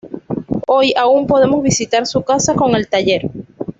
Hoy aún podemos visitar su casa con el taller.